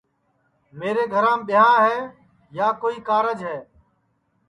میرے گھرام ٻیاں ہے یا کوئی کارج ہے